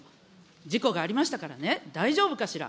事故がありましたからね、大丈夫かしら。